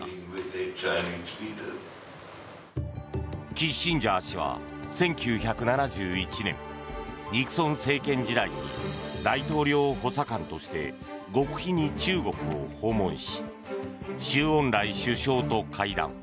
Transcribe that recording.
キッシンジャー氏は１９７１年ニクソン政権時代に大統領補佐官として極秘に中国を訪問し周恩来首相と会談。